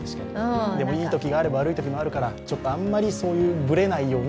でも、いいときがあれば悪いときもあるから、あんまりそういうブレないようにと。